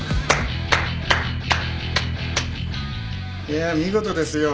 いや見事ですよ